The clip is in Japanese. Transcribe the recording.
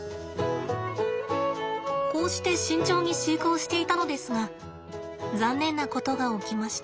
こうして慎重に飼育をしていたのですが残念なことが起きました。